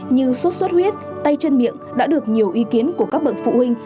như sốt xuất huyết tay chân miệng đã được nhiều ý kiến của các bậc phụ huynh